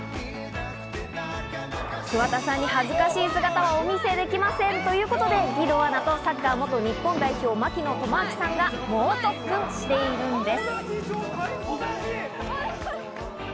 桑田さんに恥ずかしい姿をお見せできませんということで義堂アナとサッカー元日本代表・槙野智章さんが猛特訓しているんです。